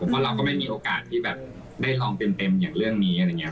เพราะเราก็ไม่มีโอกาสที่แบบได้ลองเต็มอย่างเรื่องนี้อะไรอย่างนี้